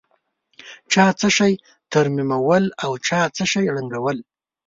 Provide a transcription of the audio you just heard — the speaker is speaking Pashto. چا څه شي ترمیمول او چا څه شي ړنګول.